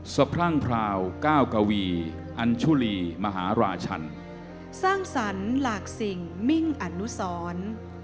สะพร่างพราวก้าวกาวีอนชูลีมหาว์ราชันสร้างศรรพ์หลากสิงทร์มิ้งอนุซร